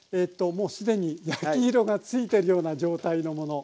もう既に焼き色がついてるような状態のもの。